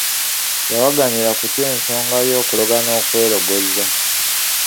Yawagamira ku ky'ensonga y'okuloga n'okwelogozza.